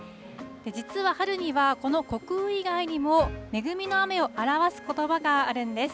実は春にはこの穀雨以外にも、恵みの雨を表すことばがあるんです。